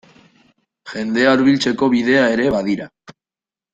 Jendea hurbiltzeko bidea ere badira.